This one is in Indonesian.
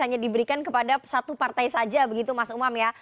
hanya diberikan kepada satu partai saja begitu mas umam ya